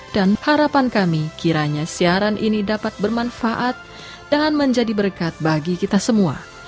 dan harapan kami kiranya siaran ini dapat bermanfaat dan menjadi berkat bagi kita semua